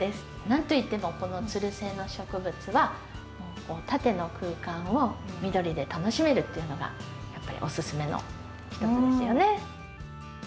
何といってもこのつる性の植物は縦の空間を緑で楽しめるっていうのがやっぱりおすすめの一つですよね。